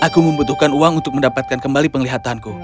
aku membutuhkan uang untuk mendapatkan kembali penglihatanku